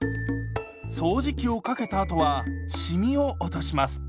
掃除機をかけたあとはシミを落とします。